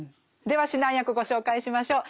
では指南役ご紹介しましょう。